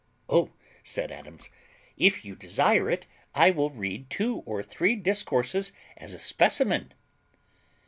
"Oh!" said Adams, "if you desire it, I will read two or three discourses as a specimen."